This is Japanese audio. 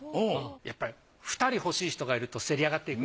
やっぱり２人欲しい人がいると競りあがっていく。